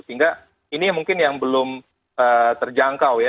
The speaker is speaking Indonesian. sehingga ini mungkin yang belum terjangkau ya